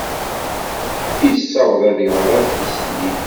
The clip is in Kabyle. Yessaweḍ ad iɣer adlis-nni.